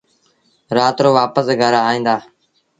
رآت رو وآپس گھر ائيٚݩدآ۔